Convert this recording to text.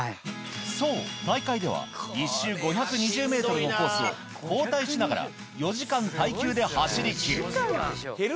そう、大会では、１周５２０メートルのコースを、交代しながら、４時間耐久で走り切る。